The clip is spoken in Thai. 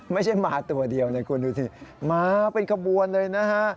ไม่ใช่มาตัวเดียวนะคุณดูสิมาเป็นขบวนเลยนะฮะ